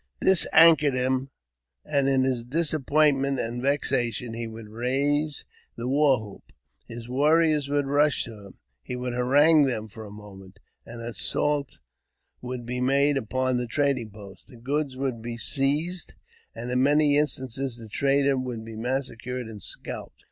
This angered him, and in his disappointment and vexation ^e would raise the war whoop, his warriors would rush to him, \e would harangue them for a moment, an assault would bs lade upon the trading post, the goods would be seized, I I 368 AUTOBIOGBAPEY OF and, in many instances, the trader would be massacred an scalped.